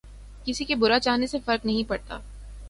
کســـی کے برا چاہنے سے فرق نہیں پڑتا